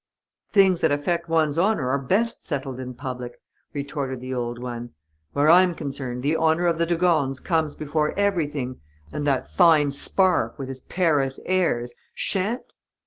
"'Things that affect one's honour are best settled in public,' retorted the old one. 'Where I'm concerned, the honour of the de Gornes comes before everything; and that fine spark, with his Paris airs, sha'n't....'